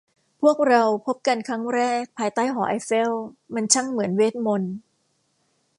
พวกเราพบกันครั้งแรกภายใต้หอไอเฟล มันช่างเหมือนเวทมนตร์